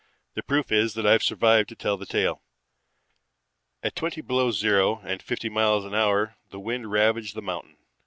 The proof is that I've survived to tell the tale." At twenty below zero and fifty miles an hour the wind ravaged the mountain.